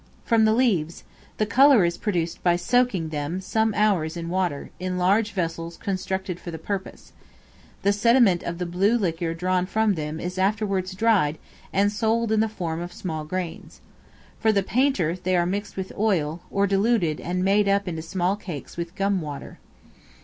From the leaves; the color is produced by soaking them some hours in water, in large vessels constructed for the purpose; the sediment of the blue liquor drawn from them is afterwards dried and sold in the form of small grains For the painter, they are mixed with oil, or diluted and made up into small cakes with gum water.